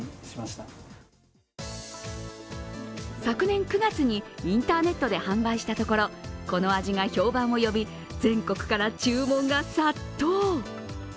昨年９月にインターネットで販売したところこの味が評判を呼び全国から注文が殺到。